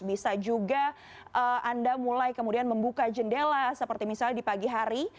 bisa juga anda mulai kemudian membuka jendela seperti misalnya di pagi hari